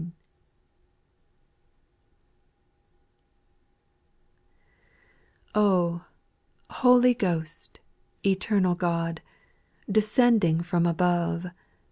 AH I Holy Ghost, eternal God, \J Descending from above.